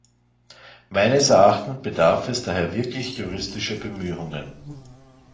Meines Erachtens bedarf es daher wirklicher juristischer Bemühungen.